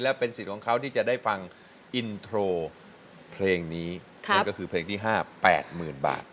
และเป็นสิทธิ์ของเขาที่จะได้ฟังอินโทรเพลงนี้นั่นก็คือเพลงที่๕๘๐๐๐บาท